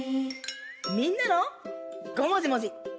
みんなの「ごもじもじ」。